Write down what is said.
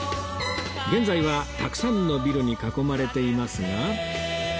現在はたくさんのビルに囲まれていますが